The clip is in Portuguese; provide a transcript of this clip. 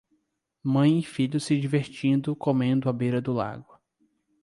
Mãe e filho se divertindo comendo à beira do lago.